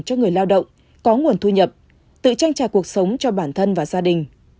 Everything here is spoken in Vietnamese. cho người lao động có nguồn thu nhập tự tranh trà cuộc sống cho bản thân và gia đình